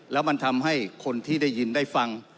แล้วมันทำให้คนที่ได้ยินได้ฟัง